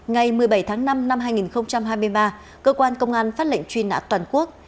ngày một mươi bảy tháng năm năm hai nghìn hai mươi ba cơ quan công an phát lệnh truy nã toàn quốc